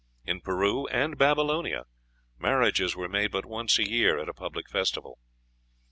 In Peru and Babylonia marriages were made but once a year, at a public festival.